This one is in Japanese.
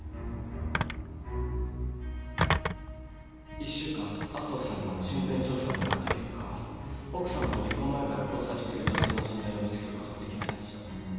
１週間安生さんの身辺調査を行なった結果奥様と離婚前から交際している女性の存在を見つけることはできませんでした。